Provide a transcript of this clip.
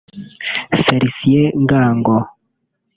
Felicien Ngango